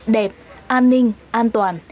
đẹp an ninh an toàn